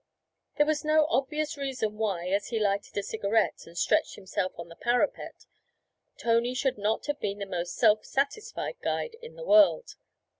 There was no obvious reason why, as he lighted a cigarette and stretched himself on the parapet, Tony should not have been the most self satisfied guide in the world.